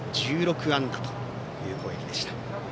１６安打という攻撃でした。